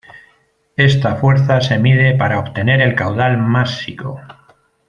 Esta fuerza se mide para obtener el caudal másico.